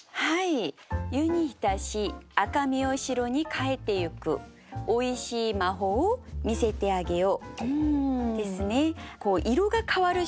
「湯に浸し赤身を白に変えてゆく美味しい湯気を見せてあげよう」！